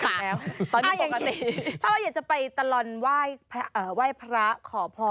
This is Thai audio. ถ้าเราอยากจะไปตลอนไหว้พระขอพร